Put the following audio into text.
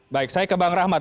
baik saya ke bang rahmat